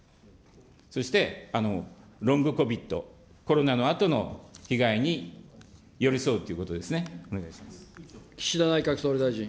そして、ロングコミット、コロナのあとの被害に寄り添うということですね、お願いします。